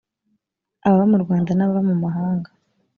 ababa mu rwanda n ababa mu mahanga